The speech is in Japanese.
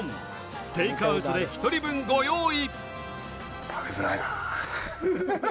テイクアウトで１人分ご用意。